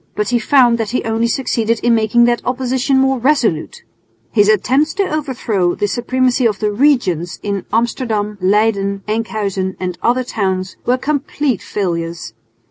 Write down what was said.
But he found that he only succeeded in making that opposition more resolute. His attempts to overthrow the supremacy of the "regents" in Amsterdam, Leyden, Enkhuizen and other towns were complete failures.